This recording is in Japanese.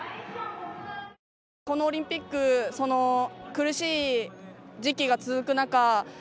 このオリンピック苦しい時期が続く中